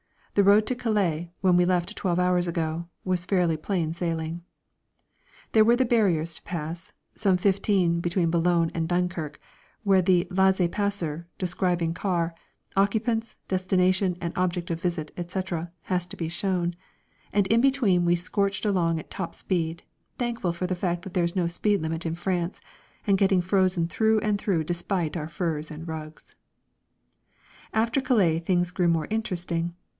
The road to Calais, when we left twelve hours ago, was fairly plain sailing. There were the barriers to pass (some fifteen between Boulogne and Dunkirk) where the "laissez passer," describing car, occupants, destination and object of visit, etc., has to be shown; and in between we scorched along at top speed, thankful for the fact that there is no speed limit in France, and getting frozen through and through despite our furs and rugs. After Calais things grew more interesting.